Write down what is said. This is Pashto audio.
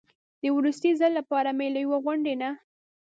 د وروستي ځل لپاره مې له یوې غونډۍ نه.